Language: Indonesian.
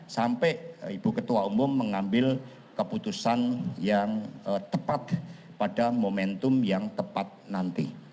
sampai ibu ketua umum mengambil keputusan yang tepat pada momentum yang tepat nanti